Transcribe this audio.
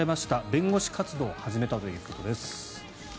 弁護士活動を始めたということです。